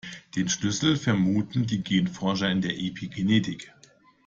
Den Schlüssel vermuten die Genforscher in der Epigenetik.